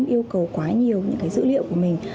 không yêu cầu quá nhiều những dữ liệu của mình